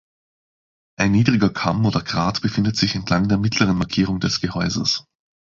Ein niedriger Kamm oder Grat befindet sich entlang der mittleren Markierung des Gehäuses.